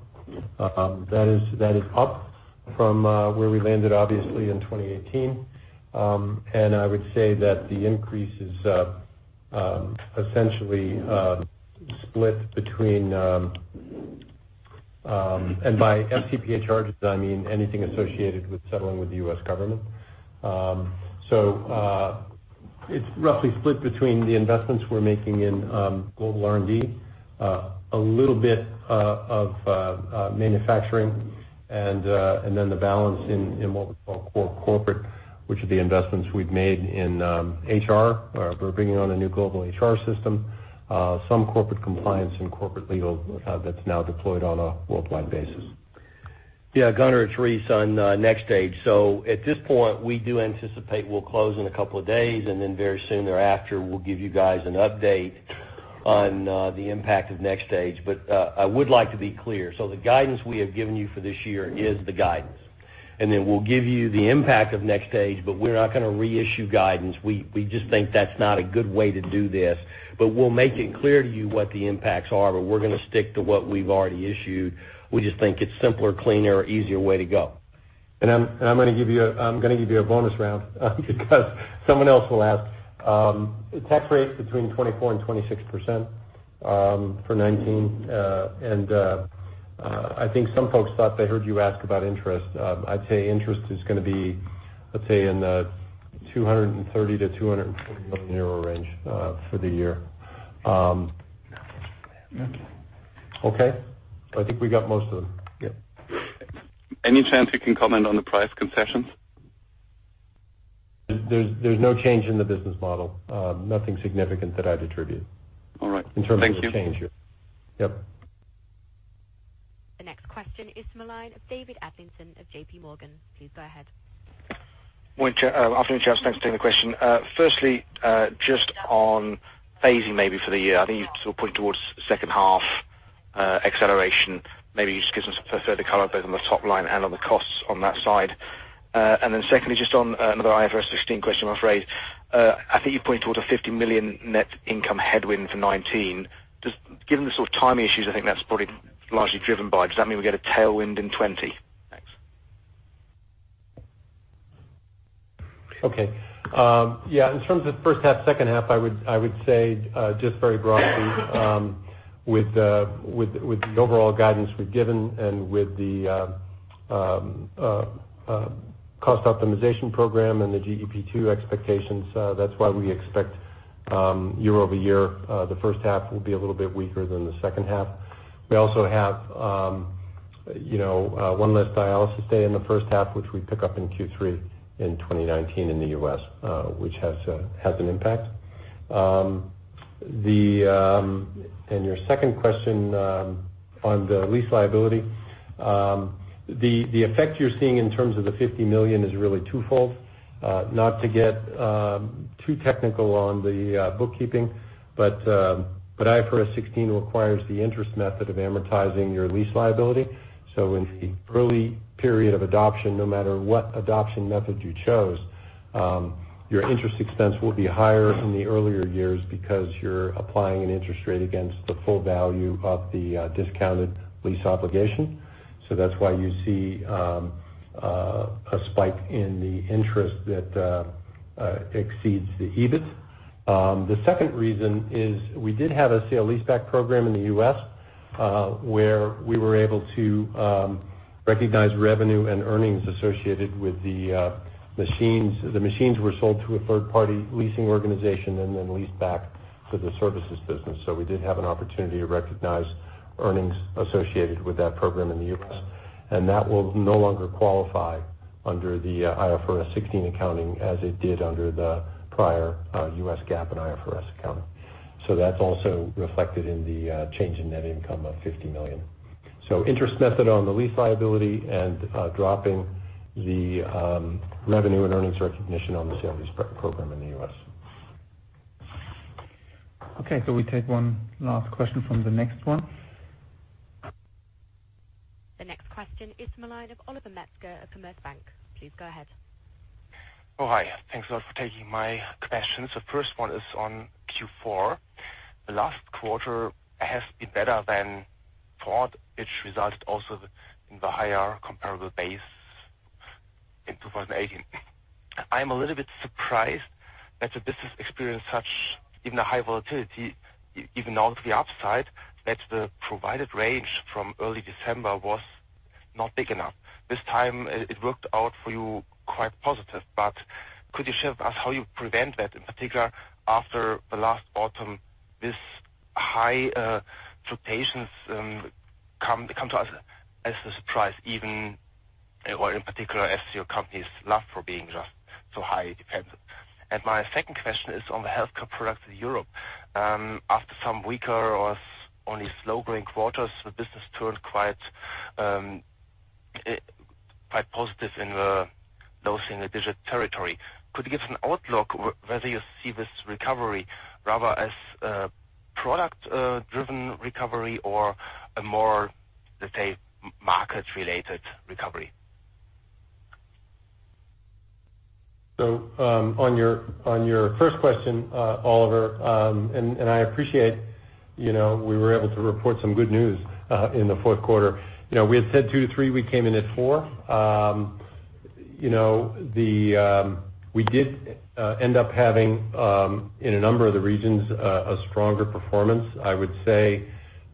That is up from where we landed, obviously, in 2018. I would say that the increase is essentially split, and by FCPA charges, I mean anything associated with settling with the U.S. government. It's roughly split between the investments we're making in global R&D, a little bit of manufacturing, and then the balance in what we call core corporate, which are the investments we've made in HR. We're bringing on a new global HR system, some corporate compliance and corporate legal that's now deployed on a worldwide basis. Yeah, Gunnar, it's Rice on NxStage. At this point, we do anticipate we'll close in a couple of days, and then very soon thereafter, we'll give you guys an update on the impact of NxStage. I would like to be clear. The guidance we have given you for this year is the guidance. Then we'll give you the impact of NxStage, we're not going to reissue guidance. We just think that's not a good way to do this. We'll make it clear to you what the impacts are, we're going to stick to what we've already issued. We just think it's simpler, cleaner, easier way to go. I'm going to give you a bonus round because someone else will ask. Tax rate between 24%-26% for 2019. I think some folks thought they heard you ask about interest. I'd say interest is going to be, let's say, in the 230 million-240 million euro range for the year. Okay. I think we got most of them. Yeah. Any chance you can comment on the price concessions? There's no change in the business model. Nothing significant that I'd attribute. All right. Thank you. In terms of a change. Yep. The next question is from the line of David Adlington of JPMorgan. Please go ahead. Morning, chairs. Afternoon, chairs. Thanks for taking the question. Firstly, just on phasing maybe for the year. I think you sort of point towards second half acceleration. Maybe just give us further color both on the top line and on the costs on that side. Secondly, just on another IFRS 16 question, I am afraid. I think you pointed towards a $50 million net income headwind for 2019. Just given the sort of timing issues, I think that is probably largely driven by, does that mean we get a tailwind in 2020? Thanks. Okay. In terms of first half, second half, I would say just very broadly with the overall guidance we have given and with the cost optimization program and the GEP II expectations, that is why we expect year-over-year the first half will be a little bit weaker than the second half. We also have one less dialysis day in the first half, which we pick up in Q3 in 2019 in the U.S., which has an impact. Your second question on the lease liability. The effect you are seeing in terms of the $50 million is really twofold. Not to get too technical on the bookkeeping, but IFRS 16 requires the interest method of amortizing your lease liability. In the early period of adoption, no matter what adoption method you chose, your interest expense will be higher in the earlier years because you are applying an interest rate against the full value of the discounted lease obligation. That is why you see a spike in the interest that exceeds the EBIT. The second reason is we did have a sale leaseback program in the U.S., where we were able to recognize revenue and earnings associated with the machines. The machines were sold to a third-party leasing organization and then leased back for the services business. That will no longer qualify under the IFRS 16 accounting, as it did under the prior U.S. GAAP and IFRS accounting. That is also reflected in the change in net income of $50 million. Interest method on the lease liability and dropping the revenue and earnings recognition on the sale leaseback program in the U.S. We take one last question from the next one. The next question is the line of Oliver Metzger of Commerzbank. Please go ahead. Hi. Thanks a lot for taking my questions. The first one is on Q4. The last quarter has been better than thought, which resulted also in the higher comparable base in 2018. I'm a little bit surprised that the business experienced such a high volatility, even though the upside that the provided range from early December was not big enough. This time, it worked out for you quite positive. Could you share with us how you prevent that, in particular, after the last autumn, this high fluctuations come to us as a surprise, even, or in particular, as your company is loved for being just so highly dependent. My second question is on the healthcare products in Europe. After some weaker or only slow-growing quarters, the business turned quite positive in the low single-digit territory. Could you give us an outlook whether you see this recovery rather as a product-driven recovery or a more, let's say, market-related recovery? On your first question, Oliver, I appreciate we were able to report some good news in the fourth quarter. We had said 2%-3%, we came in at 4%. We did end up having, in a number of the regions, a stronger performance. I would say,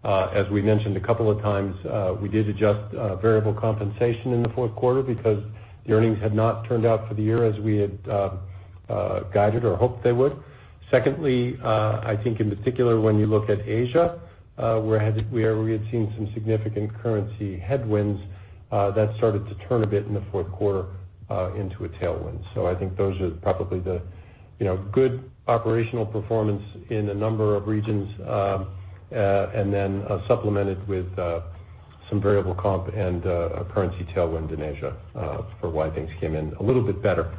as we mentioned a couple of times, we did adjust variable compensation in the fourth quarter because the earnings had not turned out for the year as we had guided or hoped they would. Secondly, I think in particular, when you look at Asia, where we had seen some significant currency headwinds, that started to turn a bit in the fourth quarter into a tailwind. I think those are probably the good operational performance in a number of regions, then supplemented with some variable comp and a currency tailwind in Asia for why things came in a little bit better,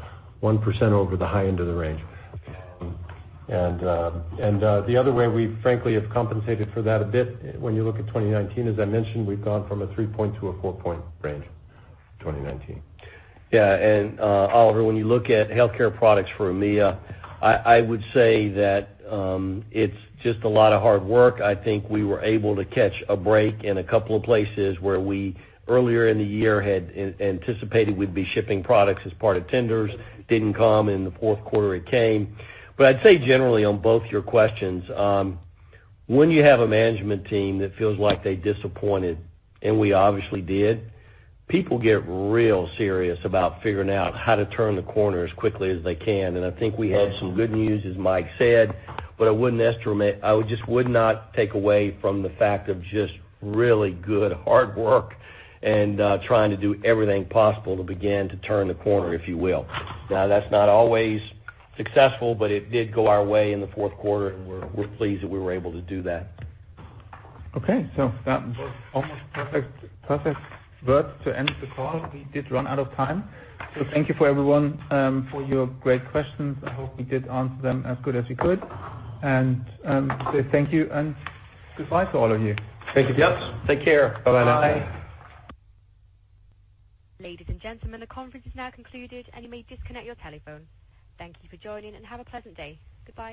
1% over the high end of the range. The other way we frankly have compensated for that a bit, when you look at 2019, as I mentioned, we've gone from a three-point to a four-point range, 2019. Yeah. Oliver, when you look at healthcare products for EMEA, I would say that it's just a lot of hard work. I think we were able to catch a break in a couple of places where we earlier in the year had anticipated we'd be shipping products as part of tenders. Didn't come in the fourth quarter, it came. I'd say generally on both your questions, when you have a management team that feels like they disappointed, and we obviously did, people get real serious about figuring out how to turn the corner as quickly as they can. I think we had some good news, as Mike said, but I just would not take away from the fact of just really good hard work and trying to do everything possible to begin to turn the corner, if you will. Now, that's not always successful, but it did go our way in the fourth quarter, and we're pleased that we were able to do that. Okay. Almost perfect words to end the call. We did run out of time. Thank you for everyone for your great questions. I hope we did answer them as good as we could. Thank you and goodbye to all of you. Thank you. Yep. Take care. Bye-bye now. Bye. Ladies and gentlemen, the conference is now concluded, and you may disconnect your telephone. Thank you for joining, and have a pleasant day. Goodbye.